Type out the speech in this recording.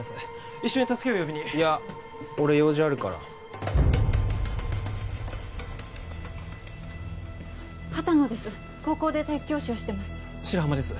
一緒に助けを呼びにいや俺用事あるから畑野です高校で体育教師をしてます白浜です